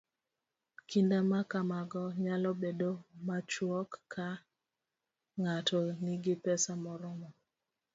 Kinda ma kamago nyalo bedo machuok ka ng'ato nigi pesa moromo